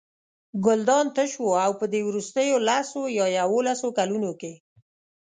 ګلدان تش و او په دې وروستیو لس یا یوولسو کلونو کې.